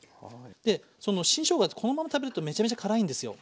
で新しょうがってこのまま食べるとめちゃめちゃ辛いんですよ。